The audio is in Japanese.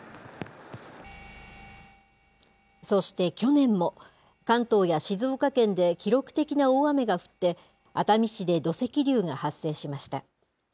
そして去年も、関東や静岡県で記録的な大雨が降って、熱海市で土石流が発生しました。